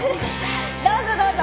どうぞどうぞ。